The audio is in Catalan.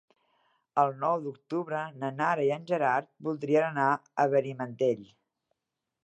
El nou d'octubre na Nara i en Gerard voldrien anar a Benimantell.